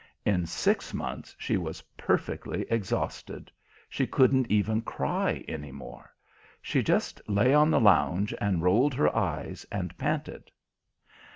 In six months she was perfectly exhausted; she couldn't even cry any more; she just lay on the lounge and rolled her eyes and panted.